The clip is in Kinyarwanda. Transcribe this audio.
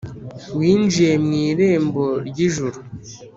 winjiye mu irembo ry'ijuru.